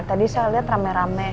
tadi saya lihat rame rame